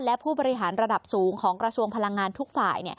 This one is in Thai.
และผู้บริหารระดับสูงของกระทรวงพลังงานทุกฝ่าย